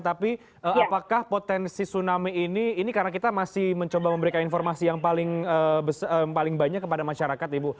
tapi apakah potensi tsunami ini karena kita masih mencoba memberikan informasi yang paling banyak kepada masyarakat ibu